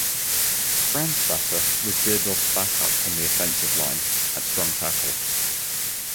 Brandstatter was Dierdorf's backup on the offensive line, at strong tackle.